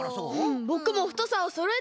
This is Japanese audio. ぼくもふとさをそろえたいです！